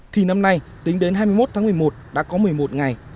thì năm nay tính đến hai mươi một tháng một mươi một đã có một mươi một ngày